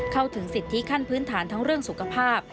เข้าถึงสิทธิขั้นพื้นฐานทั้งเรื่องสุขภาพ